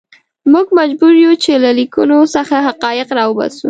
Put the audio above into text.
موږ مجبور یو چې له لیکنو څخه حقایق راوباسو.